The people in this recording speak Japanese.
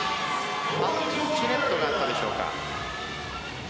タッチネットがあったんでしょうか。